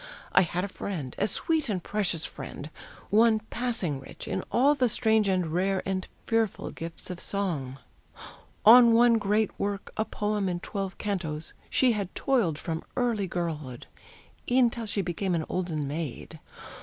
I had a friend, a sweet and precious friend, One passing rich in all the strange and rare, And fearful gifts of song. On one great work, A poem in twelve cantos, she had toiled From early girlhood, e'en till she became An olden maid.